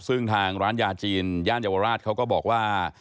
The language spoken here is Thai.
ซึ่งทางร้านยาจีนย่านเยาวราชเขาก็บอกว่า